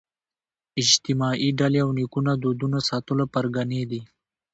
اجتماعي ډلې او نیکونو دودونو ساتلو پرګنې دي